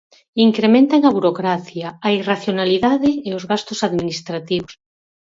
Incrementan a burocracia, a irracionalidade e os gastos administrativos.